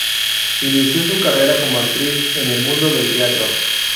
Inició su carrera como actriz en el mundo del teatro.